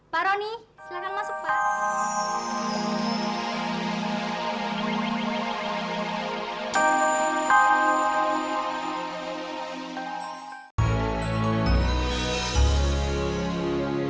pak roni silahkan masuk pak